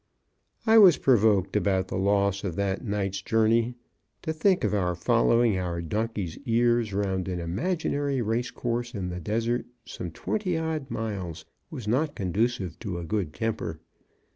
I was provoked about the loss of that night's journey; to think of our following our donkey's ears round an imaginary race course in the desert, some twenty odd miles, was not conducive to a good temper.